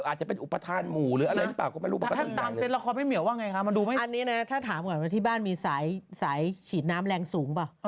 ว่าเดี่ยวชาวบ้างมาดูนะนะทีบ้านมีสายสายฉีดน้ำแรงสูงปล่อยว่ะ